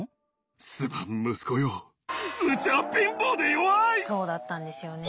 すまん息子ようちはそうだったんですよね。